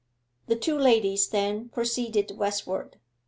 The two ladies then proceeded westward.